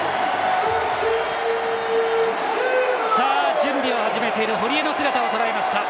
準備を始めている堀江の姿をとらえました。